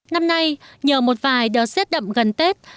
năm nay nhờ một vài đợt rét đậm gần tết